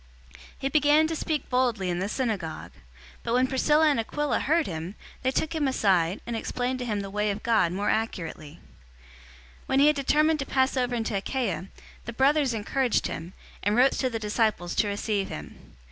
018:026 He began to speak boldly in the synagogue. But when Priscilla and Aquila heard him, they took him aside, and explained to him the way of God more accurately. 018:027 When he had determined to pass over into Achaia, the brothers encouraged him, and wrote to the disciples to receive him.